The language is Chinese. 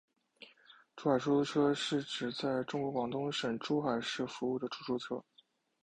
珠海出租车是指在中国广东省珠海市服务的出租车。